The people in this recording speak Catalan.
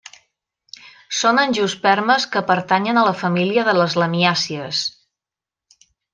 Són angiospermes que pertanyen a la família de les lamiàcies.